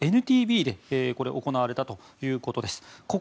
ＮＴＶでこれは行われたということです。